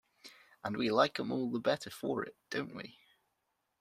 And we like 'em all the better for it, don't we?